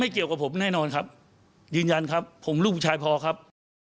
เกี่ยวกับผมแน่นอนครับยืนยันครับผมลูกผู้ชายพอครับ